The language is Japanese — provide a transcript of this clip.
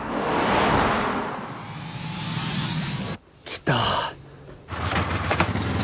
来た！